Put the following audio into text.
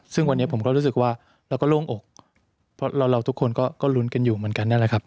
ซึ่งวันนี้ผมก็รู้สึกว่าเราก็โล่งอกเพราะเราทุกคนก็ลุ้นกันอยู่เหมือนกันนั่นแหละครับ